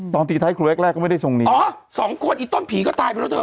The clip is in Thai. ตอนตีท้ายครูแรกแรกก็ไม่ได้ทรงนี้อ๋อสองคนอีกต้นผีก็ตายไปแล้วเถ